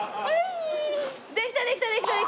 できたできたできたできた！